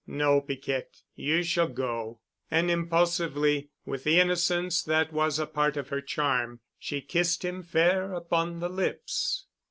"No, Piquette. You shall go." And impulsively, with the innocence that was a part of her charm, she kissed him fair upon the lips.